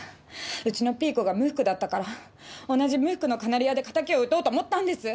うちのピーコが無覆だったから同じ無覆のカナリアで敵を討とうと思ったんです！